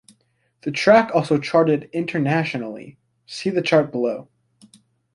The track also charted internationally - see the chart below.